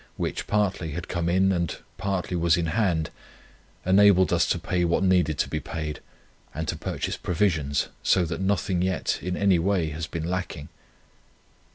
which, partly, had come in, and, partly was in hand, enabled us to pay what needed to be paid, and to purchase provisions, so that nothing yet, in any way, has been lacking.